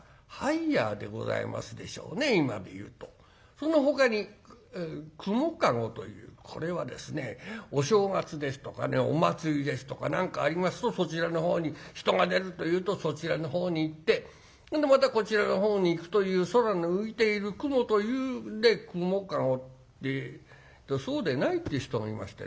そのほかに雲駕籠というこれはですねお正月ですとかねお祭りですとか何かありますとそちらのほうに人が出るというとそちらのほうに行ってでまたこちらのほうに行くという空に浮いている雲というんで雲駕籠ってそうでないっていう人がいましてね。